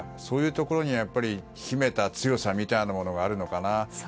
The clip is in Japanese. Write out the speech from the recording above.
そういうところに秘めた強さみたいなものがあるのかなと。